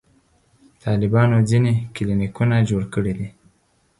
طالبانو ځینې کلینیکونه جوړ کړي دي.